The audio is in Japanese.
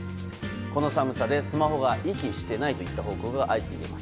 この寒さでスマホが息していないという報告が相次いでいます。